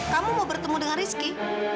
kamu mau bertemu dengan rizky